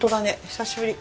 久しぶり。